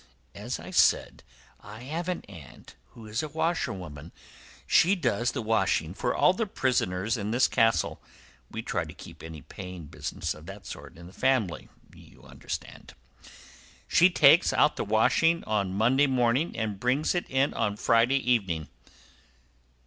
As I said, I have an aunt who is a washerwoman; she does the washing for all the prisoners in this castle—we try to keep any paying business of that sort in the family, you understand. She takes out the washing on Monday morning, and brings it in on Friday evening.